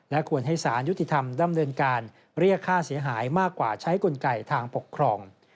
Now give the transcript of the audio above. ควรให้สารยุติธรรมดำเนินการเรียกค่าเสียหายมากกว่าใช้กลไกทางปกครอง